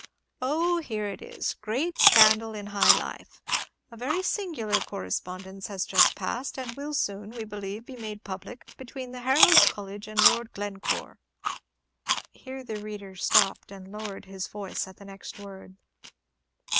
"Oh, here it is. 'Great Scandal in High Life. A very singular correspondence has just passed, and will soon, we believe, be made public, between the Heralds' College and Lord Glencore.'" Here the reader stopped, and lowered his voice at the next word.